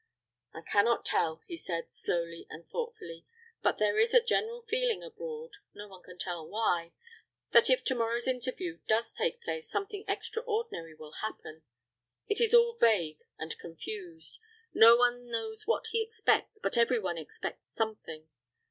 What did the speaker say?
"I can not tell," he said, slowly and thoughtfully; "but there is a general feeling abroad no one can tell why that if to morrow's interview does take place something extraordinary will happen. It is all vague and confused no one knows what he expects, but every one expects something.